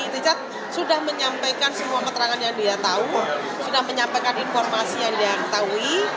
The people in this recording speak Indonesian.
richard sudah menyampaikan semua keterangan yang dia tahu sudah menyampaikan informasi yang dia ketahui